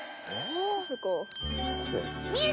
え？